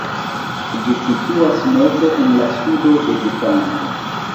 Ĝi situas meze en la sudo de Butano.